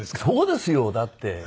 そうですよだって。